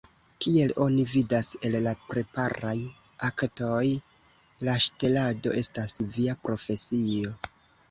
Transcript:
Kiel oni vidas el la preparaj aktoj, la ŝtelado estas via profesio!